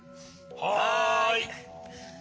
はい！